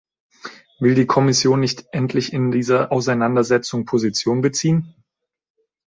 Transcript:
Will die Kommission nicht endlich in dieser Auseinandersetzung Position beziehen?